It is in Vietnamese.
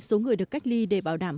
số người được cách ly để bảo đảm